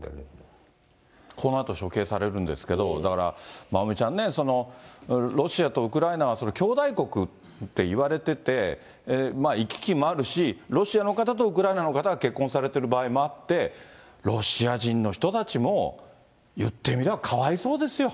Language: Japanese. このあと処刑されるんですけど、だからまおみちゃんね、ロシアとウクライナはきょうだい国っていわれてて、行き来もあるし、ロシアの方とウクライナの方が結婚されてる場合もあって、ロシア人の人たちも、いってみりゃ、かわいそうですよ。